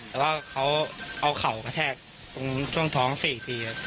แต่ว่าเขาเอาเข่ากระแทกตรงช่วงท้อง๔ทีครับ